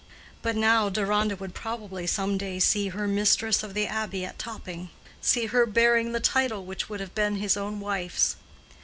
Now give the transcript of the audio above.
But now, Deronda would probably some day see her mistress of the Abbey at Topping, see her bearing the title which would have been his own wife's.